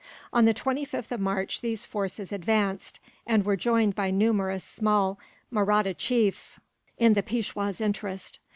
On the 25th of March these forces advanced, and were joined by numerous small Mahratta chiefs in the Peishwa's interest.